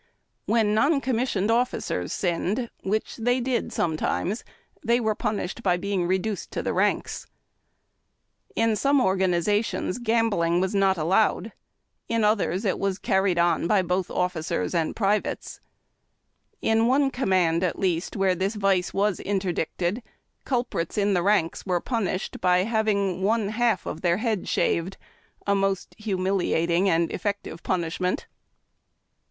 When non commissioned officers sinned, which they did sometimes, they were punished by being reduced to the ranks. In some organizations gambling was not allowed, in others 150 HA ED TACK AND COFFEE. it was carried on by both officers and privates. In one com mand, at least, where this vice was interdicted, culprits in the ranks were punished by having one half of tlie head shaved — a most hu miliating and effective pun ishment.